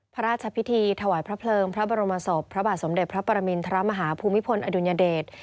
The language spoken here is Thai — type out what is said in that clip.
พระราชพิธีถวายพระเพลิงพระบรมศพพระบาทสมเด็จพระปรมินทรมาฮาภูมิพลอดุลยเดช